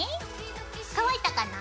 乾いたかな？